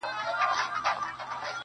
ایا د عامه نظم اخلال